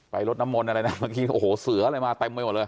รถน้ำมนต์อะไรนะเมื่อกี้โอ้โหเสืออะไรมาเต็มไปหมดเลย